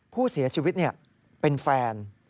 ผู้เสียชีวิตเป็นแฟน